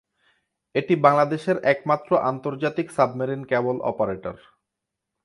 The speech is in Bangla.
এটি বাংলাদেশের একমাত্র আন্তর্জাতিক সাবমেরিন ক্যাবল অপারেটর।